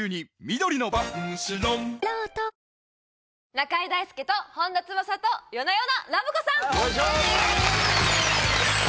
「中居大輔と本田翼と夜な夜なラブ子さん」！